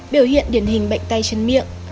một biểu hiện điển hình bệnh tài chân miệng